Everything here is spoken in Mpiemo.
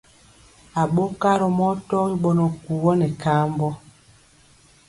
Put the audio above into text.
Aɓokarɔ mɔ tɔgi ɓɔnɔ kuwɔ nɛ kaambɔ.